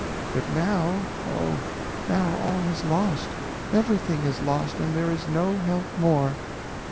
But now—oh, now, all is lost; everything is lost, and there is no help more!"